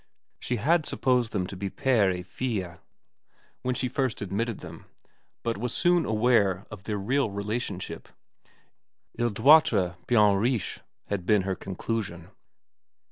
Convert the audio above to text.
She had supposed them to be pere et file when first she admitted them, but was soon aware of their real relationship. ' II doit fare bien riche,' had been her conclusion.